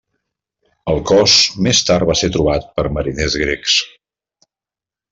El cos més tard va ser trobat per mariners grecs.